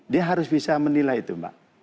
dia harus bisa menilai itu mbak